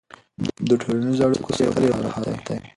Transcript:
د ټولنیزو اړیکو ساتل یو مهارت دی.